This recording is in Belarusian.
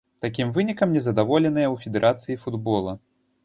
Такім вынікам не задаволеныя ў федэрацыі футбола.